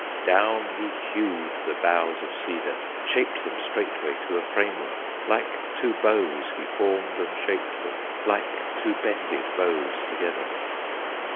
Down he hewed the boughs of cedar, Shaped them straightway to a frame work, Like two bows he formed and shaped them, Like two bended bows together.